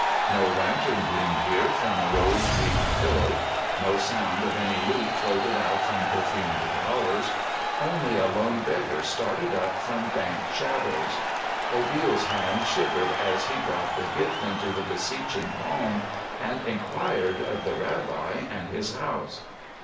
No lantern gleamed here from rose wreathed pillar. No sound of any lute floated out from perfumed bowers. Only a lone beggar started up from dank shadows. Obil's hand shivered as he dropped a gift into the beseeching palm and inquired of the rabbi and his house.